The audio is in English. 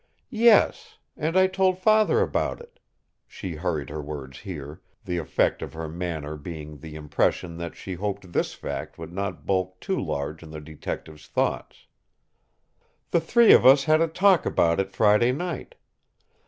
"Yes; and I told father about it," she hurried her words here, the effect of her manner being the impression that she hoped this fact would not bulk too large in the detective's thoughts. "The three of us had a talk about it Friday night.